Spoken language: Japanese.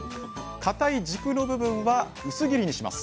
かたい軸の部分は薄切りにします